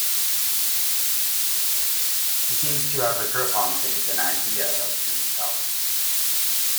He seems to have a grip on things, an idea of himself.